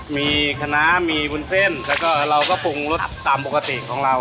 มีขนาดมีบุญเซ้นแล้วก็ปรุงรสตามปกติของเรา